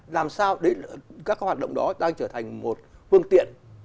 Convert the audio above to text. làm sao để các hoạt động đó đang trở thành một phương tiện